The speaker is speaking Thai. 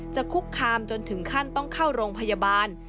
คุกคามจนถึงขั้นต้องเข้าโรงพยาบาล